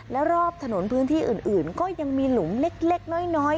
และรอบถนนพื้นที่อื่นก็ยังมีหลุมเล็กน้อย